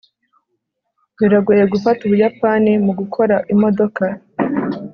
biragoye gufata ubuyapani mugukora imodoka